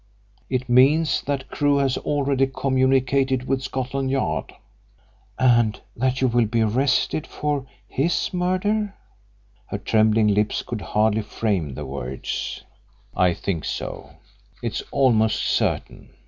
"It means that Crewe has already communicated with Scotland Yard." "And that you will be arrested for his murder?" Her trembling lips could hardly frame the words. "I think so it's almost certain.